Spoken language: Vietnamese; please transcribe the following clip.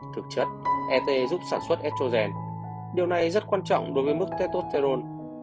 thực chất et giúp sản xuất estrogen điều này rất quan trọng đối với mức tetosterone